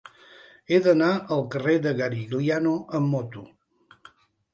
He d'anar al carrer de Garigliano amb moto.